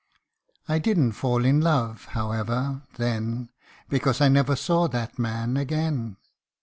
I didn't fall in love, however, then,, Because I never saw that man again.